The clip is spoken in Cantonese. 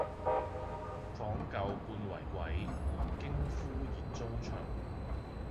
訪舊半為鬼，驚呼熱中腸。